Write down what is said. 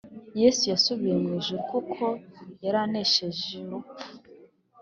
Yesu yasubiye mw ijuru, Kuko yar' aneshej' urupfu.